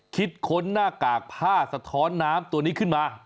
ค้นหน้ากากผ้าสะท้อนน้ำตัวนี้ขึ้นมา